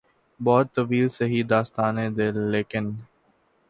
بہت طویل سہی داستانِ دل ، لیکن